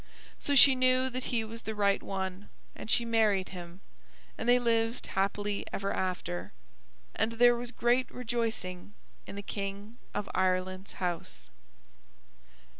So she knew that he was the right one, and she married him, and they lived happy ever after, and there was great rejoicing in the King of Ireland's house.